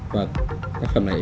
và tác phẩm này